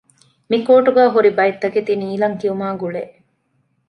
މިކޯޓުގައި ހުރި ބައެއްތަކެތި ނީލަންކިޔުމާގުޅޭ